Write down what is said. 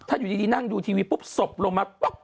ถ้าอยู่ดีนั่งดูทีวีปุ๊บศพลงมาปุ๊บ